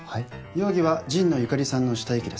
容疑は神野由香里さんの死体遺棄です。